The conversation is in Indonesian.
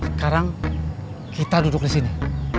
sekarang kita duduk disini